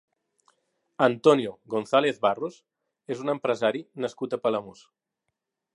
Antonio González-Barros és un empresari nascut a Palamós.